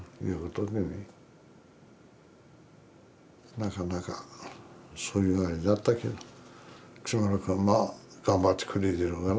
なかなかそういうあれだったけど木村君はまあ頑張ってくれてるから。